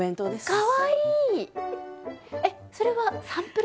かわいい！